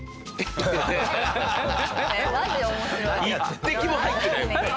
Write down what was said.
１滴も入ってないもんね。